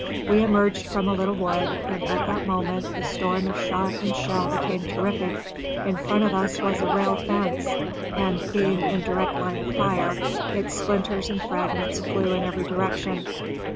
We emerged from a little wood, and at that moment the storm of shot and shell became terrific. In front of us was a rail fence, and, being in direct line of fire, its splinters and fragments flew in every direction.